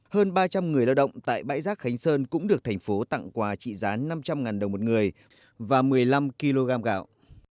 hơn ba trăm linh người lao động tại bãi rác khánh sơn cũng được thành phố tặng quà trị giá năm trăm linh đồng một người và một mươi năm kg gạo